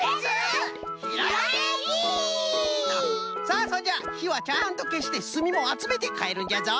さあそんじゃひはちゃんとけしてすみもあつめてかえるんじゃぞ。